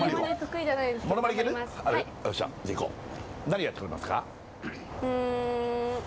何やってくれますか？